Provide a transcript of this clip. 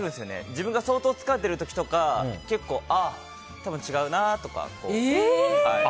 自分が相当疲れてる時とか結構、あ多分違うなとか。